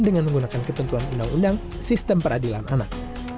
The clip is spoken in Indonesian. dengan menggunakan ketentuan undang undang sistem peradilan anak